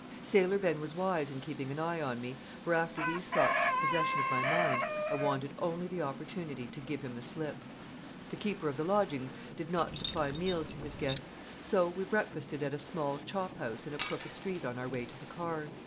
Sailor Ben was wise in keeping an eye on me, for after these thoughts took possession of my mind, I wanted only the opportunity to give him the slip. The keeper of the lodgings did not supply meals to his guests; so we breakfasted at a small chophouse in a crooked street on our way to the cars.